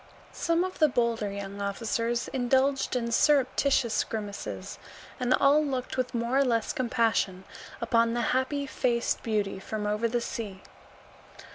Some of the bolder young officers indulged in surreptitious grimaces, and all looked with more or less compassion upon the happy faced beauty from over the sea.